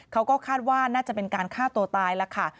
เขาก็คาดว่าน่าจะเป็นการฆ่าตัวตายแล้วค่ะ